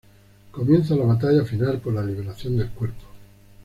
Comienza la batalla final por la liberación del cuerpo.